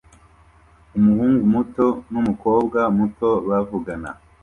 Umuhungu muto numukobwa muto bavugana